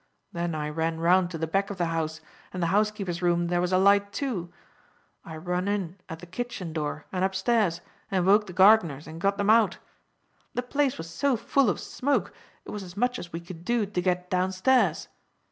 Then I ran round to the back of the house, and the housekeeper's room there was alight, too. I run in at the kitchen door and upstairs, and woke the gardeners and got them out. The place was so full of smoke, it was as much as we could do to get downstairs.